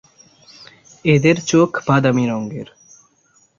এদের চোখ বাদামি রঙের।